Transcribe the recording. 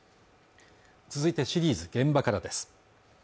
続いてシリーズ「現場から」です